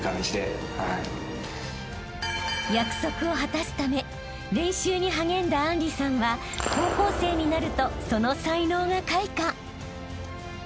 ［約束を果たすため練習に励んだあんりさんは高校生になるとその才能が開花］